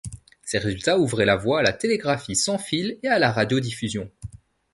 Ces résultats ouvraient la voie à la télégraphie sans fil et à la radiodiffusion.